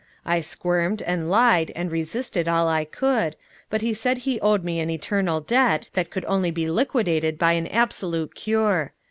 I squirmed and lied and resisted all I could, but he said he owed me an eternal debt that could only be liquidated by an absolute cure.